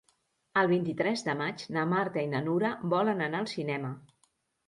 El vint-i-tres de maig na Marta i na Nura volen anar al cinema.